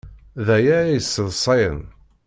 D aya ay yesseḍsayen.